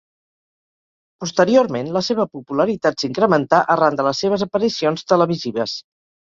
Posteriorment la seva popularitat s'incrementà arran de les seves aparicions televisives.